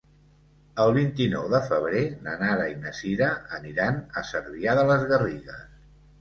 El vint-i-nou de febrer na Nara i na Sira aniran a Cervià de les Garrigues.